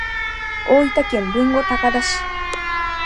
大分県豊後高田市